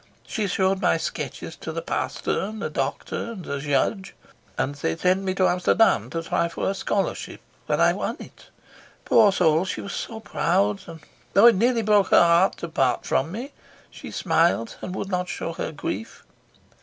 She showed my sketches to the pastor and the doctor and the judge. And they sent me to Amsterdam to try for a scholarship, and I won it. Poor soul, she was so proud; and though it nearly broke her heart to part from me, she smiled, and would not show me her grief.